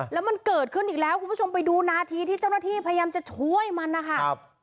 แล้วมันเกิดขึ้นอีกแล้วคุณผู้ชมไปดูนาทีที่เจ้าหน้าที่พยายามจะช่วยมันนะคะ